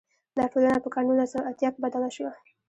دا ټولنه په کال نولس سوه اتیا کې بدله شوه.